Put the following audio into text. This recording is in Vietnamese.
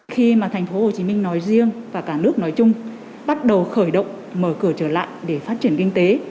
khi mà thành phố hồ chí minh nói riêng và cả nước nói chung bắt đầu khởi động mở cửa trở lại để phát triển kinh tế